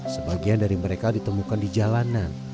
sebagian dari mereka ditemukan di jalanan